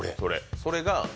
それが。